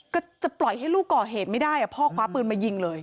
ก็จะปล่อยให้ลูกก่อเหตุไม่ได้พ่อคว้าปืนมายิงเลย